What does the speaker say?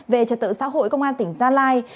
về trật tự xã hội công an tỉnh gia lai